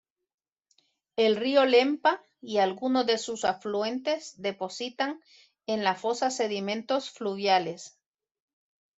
El río Lempa y algunos de sus afluentes depositan en la fosa sedimentos fluviales.